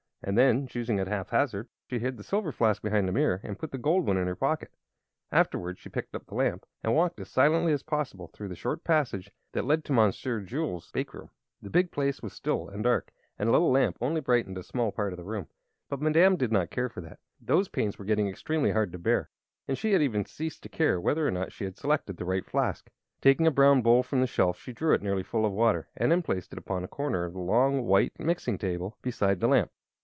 And then, choosing at haphazard, she hid the silver flask behind the mirror and put the gold one in her pocket. Afterward she picked up the lamp and walked as silently as possible through the short passage that led to Monsieur Jules' bake room. The big place was still and dark, and the little lamp only brightened a small part of it. But Madame did not care for that. Those pains were getting extremely hard to bear, and she had even ceased to care whether or not she had selected the right flask. Taking a brown bowl from the shelf she drew it nearly full of water and then placed it upon a corner of the long, white mixing table, beside the lamp.